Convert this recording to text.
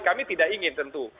kami tidak ingin tentu